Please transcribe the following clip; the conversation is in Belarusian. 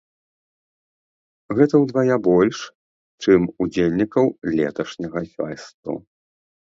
Гэта ўдвая больш, чым удзельнікаў леташняга фэсту.